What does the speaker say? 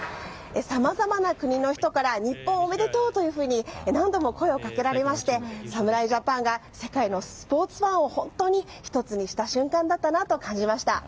さまざまな国の人から日本おめでとう！というふうに何度も声をかけられまして侍ジャパンが世界のスポーツファンを本当に１つにした瞬間だったなと感じました。